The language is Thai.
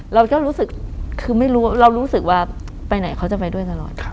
เราก็รู้สึกคือไม่รู้เรารู้สึกว่าไปไหนเขาจะไปด้วยตลอด